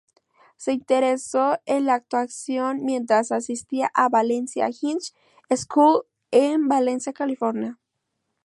Se interesó en la actuación mientras asistía a Valencia High School en Valencia, California.